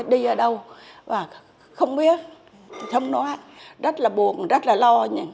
đi ở đâu không biết không nói rất là buồn rất là lo